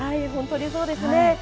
本当にそうですね。